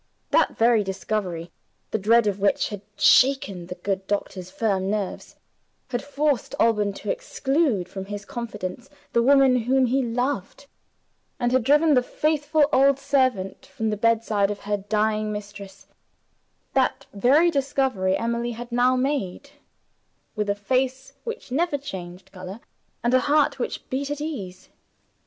That very discovery, the dread of which had shaken the good doctor's firm nerves, had forced Alban to exclude from his confidence the woman whom he loved, and had driven the faithful old servant from the bedside of her dying mistress that very discovery Emily had now made, with a face which never changed color, and a heart which beat at ease.